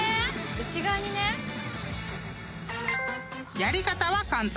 ［やり方は簡単。